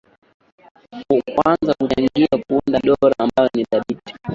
ku kuanza kuchangia kuunda dora ambayo ni dhabiti